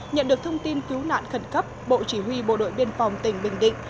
nhận được thông tin cứu nạn khẩn cấp bộ chỉ huy bộ đội biên phòng tỉnh bình định